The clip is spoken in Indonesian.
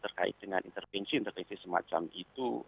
terkait dengan intervensi intervensi semacam itu